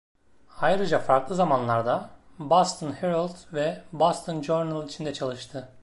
Ayrıca farklı zamanlarda "Boston Herald" ve "Boston Journal" için de çalıştı.